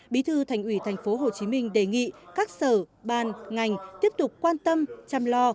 bí thư thành nguyễn thành phố hồ chí minh đề nghị các sở ban ngành tiếp tục quan tâm chăm lo